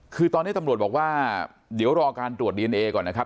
คือตอนนี้ตำรวจบอกว่าเดี๋ยวรอการตรวจดีเอนเอก่อนนะครับ